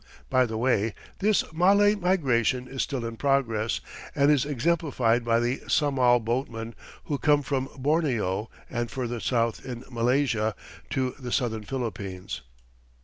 By the way, this Malay migration is still in progress, and is exemplified by the Samal boatmen who come from Borneo and further south in Malaysia to the southern Philippines.